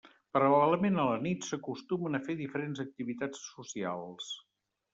Paral·lelament a la nit s'acostumen a fer diferents activitats socials.